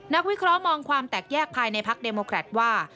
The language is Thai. วิเคราะห์มองความแตกแยกภายในพักเดโมแครตว่า